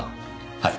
はい。